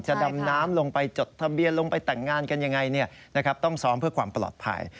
ดำน้ำลงไปจดทะเบียนลงไปแต่งงานกันยังไงต้องซ้อมเพื่อความปลอดภัย